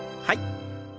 はい。